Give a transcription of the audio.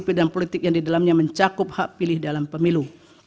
bidang politik yang di dalamnya mencakup hak pilih dalam pemilu